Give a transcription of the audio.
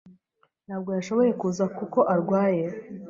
Ntabwo yashoboye kuza kuko arwaye.